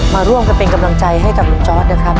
มาร่วมกันเป็นกำลังใจให้กับลุงจอร์ดนะครับ